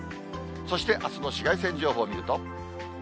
そしてあすの紫外線情報見ると。